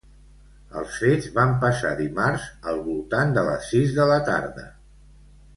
Els fets van passar dimarts al voltant de les sis de la tarda.